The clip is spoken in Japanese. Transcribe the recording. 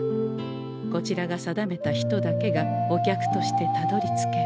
こちらが定めた人だけがお客としてたどりつける。